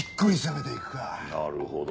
なるほど。